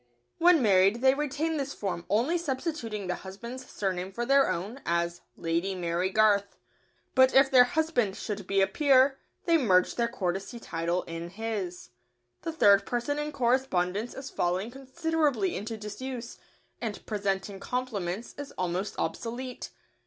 When married they retain this form, only substituting the husband's surname for their own, as "Lady Mary Garth." But if their husband should be a peer, they merge their courtesy title in his. [Sidenote: Use of the third person.] The third person in correspondence is falling considerably into disuse, and "presenting compliments" is almost obsolete.